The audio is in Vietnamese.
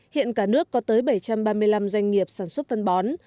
hiện cả nước có tới bảy trăm ba mươi năm doanh nghiệp sản xuất phân bó